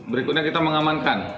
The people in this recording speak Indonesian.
berikutnya kita mengamankan